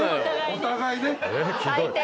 お互いね。